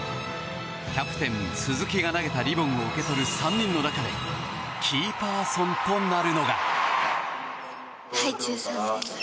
キャプテン、鈴木が投げたリボンを受け取る３人の中でキーパーソンとなるのが。